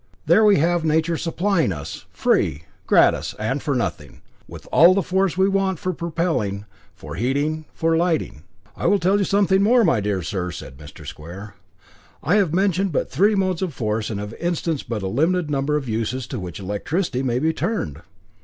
There we have Nature supplying us free, gratis, and for nothing with all the force we want for propelling, for heating, for lighting. I will tell you something more, my dear sir," said Mr. Square. "I have mentioned but three modes of force, and have instanced but a limited number of uses to which electricity may be turned.